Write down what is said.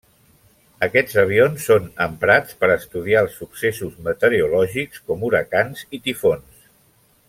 Aquests avions són emprats per estudiar els successos meteorològics com huracans i tifons.